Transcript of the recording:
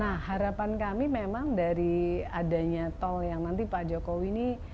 nah harapan kami memang dari adanya tol yang nanti pak jokowi ini